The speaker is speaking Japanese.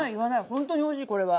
ほんとにおいしいこれは。